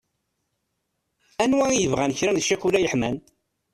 Anwa i yebɣan kra n cikula yeḥman.